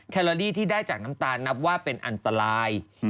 แคลอรี่ที่ได้จากน้ำตาลนับว่าเป็นอันตราย